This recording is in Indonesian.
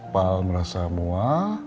pak al merasa muah